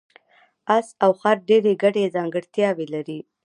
اس او خر ډېرې ګډې ځانګړتیاوې لري.